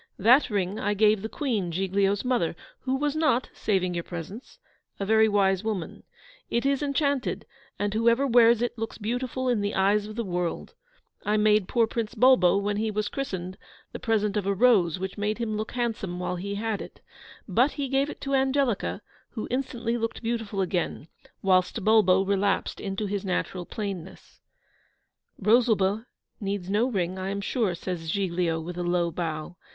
'That ring I gave the Queen, Giglio's mother, who was not, saving your presence, a very wise woman; it is enchanted, and whoever wears it looks beautiful in the eyes of the world, I made poor Prince Bulbo, when he was christened, the present of a rose which made him look handsome while he had it; but he gave it to Angelica, who instantly looked beautiful again, whilst Bulbo relapsed into his natural plainness.' 'Rosalba needs no ring, I am sure,' says Giglio, with a low bow.